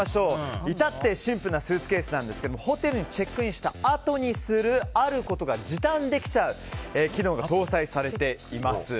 至ってシンプルなスーツケースなんですがホテルにチェックインしたあとにするあることが時短できちゃう機能が搭載されています。